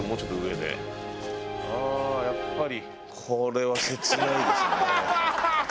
ああーやっぱり。